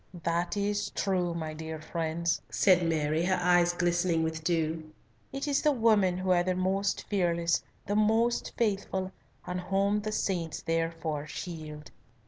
"That is true, my dear friends," said Mary, her eyes glistening with dew. "It is the women who are the most fearless, the most faithful, and whom the saints therefore shield."